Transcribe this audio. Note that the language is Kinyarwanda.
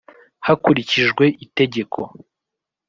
Hakurikijwe itegeko.